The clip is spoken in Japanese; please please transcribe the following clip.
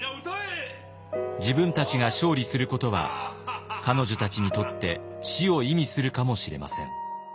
自分たちが勝利することは彼女たちにとって死を意味するかもしれません。